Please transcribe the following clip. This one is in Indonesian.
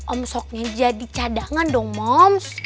om soknya jadi cadangan dong moms